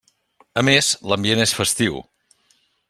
A més, l'ambient és festiu.